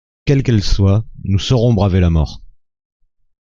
Quelle qu’elle soit, nous saurons braver la mort !